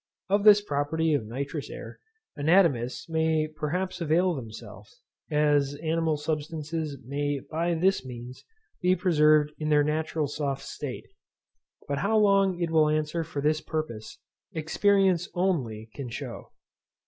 Of this property of nitrous air anatomists may perhaps avail themselves, as animal substances may by this means be preserved in their natural soft state; but how long it will answer for this purpose, experience only can shew.